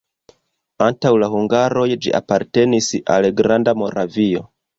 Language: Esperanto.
Antaŭ la hungaroj ĝi apartenis al Granda Moravio.